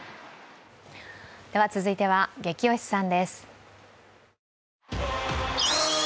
続いては「ゲキ推しさん」です。